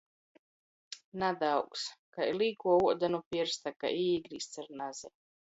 Nadaaugs. Kai līkuo uoda nu piersta, ka īgrīzts ar nazi.